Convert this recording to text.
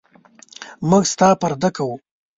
موږ ستا پرده کوو.